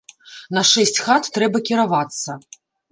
На шэсць хат трэба кіравацца.